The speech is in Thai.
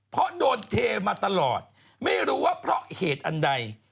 เพราะโดนเทมาตลอดไม่รู้ว่าเพราะเหตุอันใด